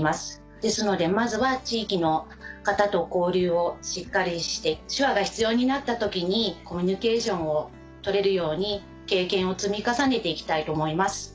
ですのでまずは地域の方と交流をしっかりして手話が必要になった時にコミュニケーションを取れるように経験を積み重ねて行きたいと思います。